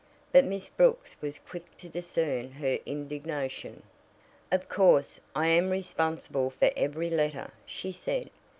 But Miss Brooks was quick to discern her indignation. "Of course, I am responsible for every letter," she said.